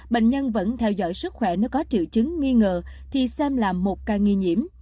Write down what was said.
bệnh nhân vẫn theo dõi sức khỏe nếu có triệu chứng nghi ngờ thì xem là một ca nghi nhiễm